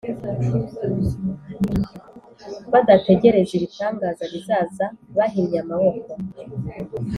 Badategereza ibitangaza bizaza bahinnye amaboko